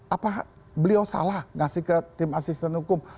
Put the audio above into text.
apa beliau salah ngasih ke tim asisten hukum